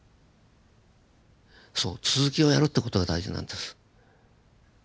そう続きをやるって事が大事なんです。